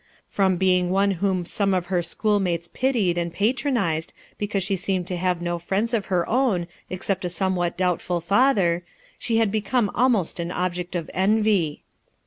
From being one whom some of her schoolmates pitied and patronised because she seemed to have no friends of her own except a somewhat doubtful father, she became almost an object of envy.